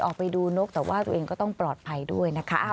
ออกไปดูนกแต่ว่าตัวเองก็ต้องปลอดภัยด้วยนะคะ